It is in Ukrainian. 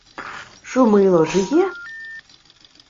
— Шумило жиє?